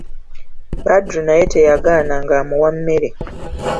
Badru naye teyagaana ng'amuwa mmere.